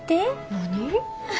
何？